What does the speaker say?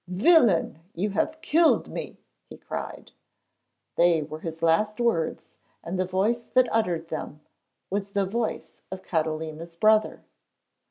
'Villain! You have killed me!' he cried. They were his last words, and the voice that uttered them was the voice of Catalina's brother!